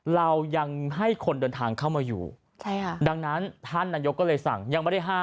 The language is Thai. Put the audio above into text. เรายังให้คนเดินทางเข้ามาอยู่ใช่ค่ะดังนั้นท่านนายกก็เลยสั่งยังไม่ได้ห้าม